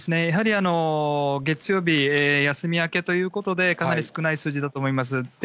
やはり月曜日、休み明けということで、かなり少ない数字だと思います。